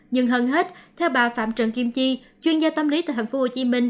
nhưng hơn hết theo bà phạm trần kim chi chuyên gia tâm lý tại tp hcm